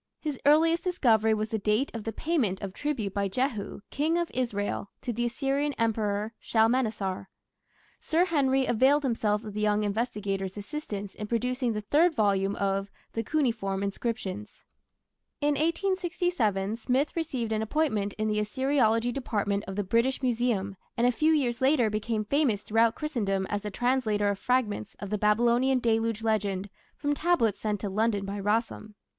His earliest discovery was the date of the payment of tribute by Jehu, King of Israel, to the Assyrian Emperor Shalmaneser. Sir Henry availed himself of the young investigator's assistance in producing the third volume of The Cuneiform Inscriptions. In 1867 Smith received an appointment in the Assyriology Department of the British Museum, and a few years later became famous throughout Christendom as the translator of fragments of the Babylonian Deluge Legend from tablets sent to London by Rassam.